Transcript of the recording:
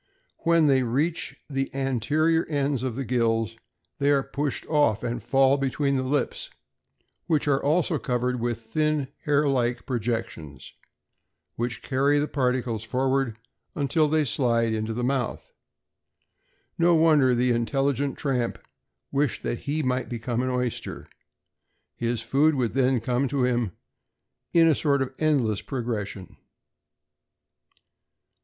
When they reach the anterior ends of the gills, they are pushed off, and fall between the lips, which are also covered with thin hair like projections, which carry the particles forward until they slide into the mouth. No wonder the intelligent tramp wished that he might become an oyster. His food would then come to him in a sort of endless progression.